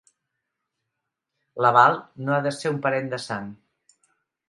L'aval no ha de ser un parent de sang.